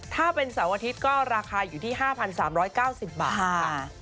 ถ้าเป็นเสาร์อาทิตย์ก็ราคาอยู่ที่๕๓๙๐บาทค่ะ